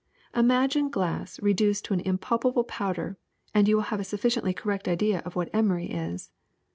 Imagine glass reduced to an impalpable powder and you will have a sufficiently correct idea of what emery is.